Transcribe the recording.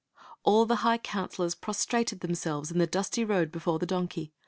" All the high counselors prostrated themselves in the dusty road before the donkey.